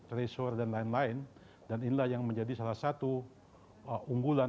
resor dan lain lain dan inilah yang menjadi salah satu unggulan